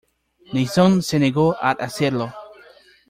Nixon se negó a hacerlo.